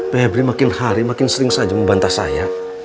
febri makin hari makin sering saja membantah saya